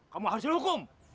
kamu harus dihukum